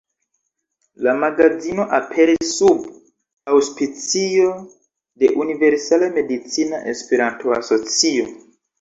La magazino aperis sub aŭspicio de Universala Medicina Esperanto-Asocio.